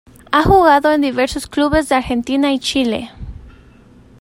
Ha jugado en diversos clubes de Argentina y Chile.